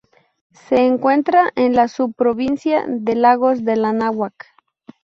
Se encuentra en la subprovincia de lagos del Anáhuac.